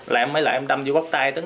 lại em mới lại em đâm vô bóc tay tuấn